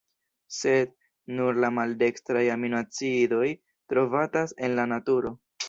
Sed, nur la maldekstraj aminoacidoj trovatas en la naturo.